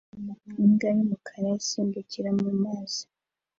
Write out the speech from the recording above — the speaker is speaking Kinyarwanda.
imbwa y'umukara isimbukira mu mazi